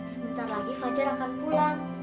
sebentar lagi fajar akan pulang